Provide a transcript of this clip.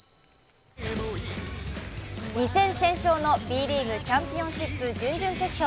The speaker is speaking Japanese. ２戦先勝のＢリーグチャンピオンシップ決勝。